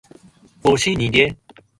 我是你爹！